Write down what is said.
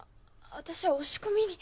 私は押し込みに。